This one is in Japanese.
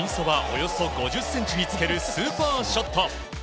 およそ５０ｃｍにつけるスーパーショット。